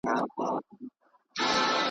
نه په ژمي نه په اوړي څوک آرام وو .